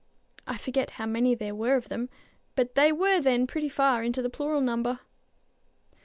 I forget how many there were of them, but they were then pretty far into the plural number.